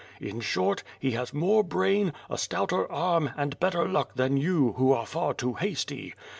In short, he has more brain, a stouter arm, and better luck than you, who are far too hasty.